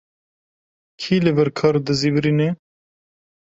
Kî li vir kar dizîvirîne?